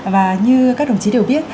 và như các đồng chí đều biết